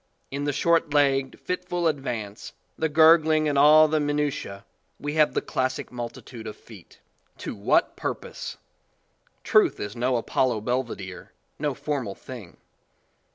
In the short legged, fit ful advance, the gurgling and all the minutise we have the classic multitude of feet. To what purpose! Truth is no Apollo Belvedere, no formal thing.